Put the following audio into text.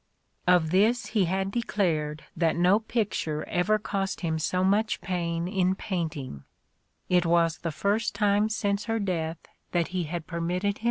Of this he had declared that no picture ever cost him so much pain in painting (it was the first time since her death that he had permitted A DAY WITH ROSSETTI.